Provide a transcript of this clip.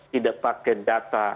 tidak pakai data